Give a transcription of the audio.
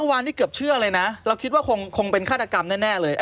วานนี้เกือบเชื่อเลยนะเราคิดว่าคงเป็นฆาตกรรมแน่เลย